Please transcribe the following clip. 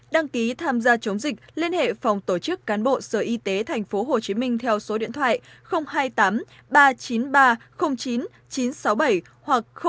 đăng ký tham gia chống dịch liên hệ phòng tổ chức cán bộ sở y tế tp hcm theo số điện thoại hai mươi tám ba trăm chín mươi ba chín chín trăm sáu mươi bảy hoặc chín mươi bảy mươi năm bảy nghìn bốn trăm hai mươi sáu